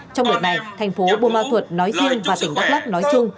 trong đợt này thành phố bôn ma thuật nói riêng và tỉnh đắk lắc nói chung